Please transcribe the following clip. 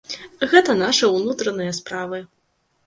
Гэта нашы ўнутраныя справы!